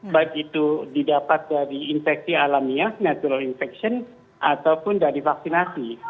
baik itu didapat dari infeksi alamiah natural infection ataupun dari vaksinasi